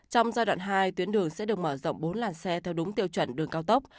trong giai đoạn hai tuyến đường sẽ được mở rộng bốn làn xe theo đúng tiêu chuẩn đường cao tốc